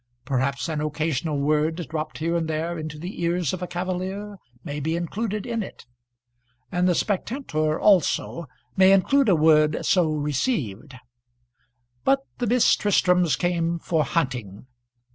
Perhaps an occasional word dropped here and there into the ears of a cavalier may be included in it; and the "spectentur" also may include a word so received. But the Miss Tristrams came for hunting.